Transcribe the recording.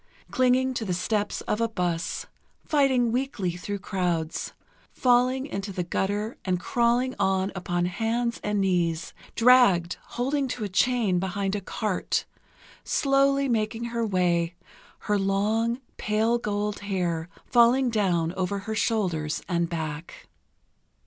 Clinging to the steps of a bus, fighting weakly through crowds, falling into the gutter and crawling on upon hands and knees, dragged holding to a chain behind a cart, slowly making her way, her long, pale gold hair falling down over her shoulders and back.